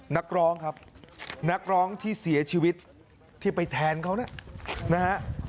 นักร้องครับนักร้องที่เสียชีวิตที่ไปแทนเขานะฮะ